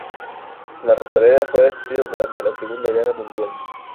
La rosaleda fue destruida durante la segunda guerra mundial.